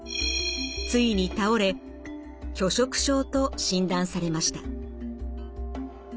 ついに倒れ拒食症と診断されました。